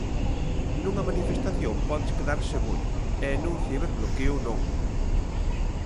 Nunha manifestación podes quedar sen ollo e nun ciberbloqueo non.